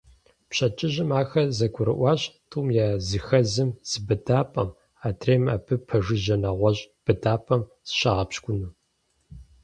Пщэдджыжьым ахэр зэгурыӀуащ тӀум я зыхэзым зы быдапӀэм, адрейм абы пэжыжьэ нэгъуэщӀ быдапӀэм зыщагъэпщкӀуну.